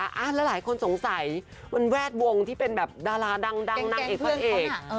แล้วหลายคนสงสัยมันแวดวงที่เป็นแบบดาราดังนางเอกพระเอก